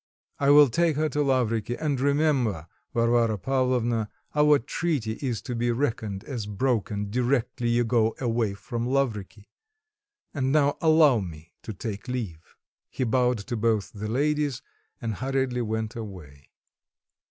I will take her to Lavriky; and remember, Varvara Pavlovna, our treaty is to be reckoned as broken directly you go away from Lavriky. And now allow me to take leave." He bowed to both the ladies, and hurriedly went away.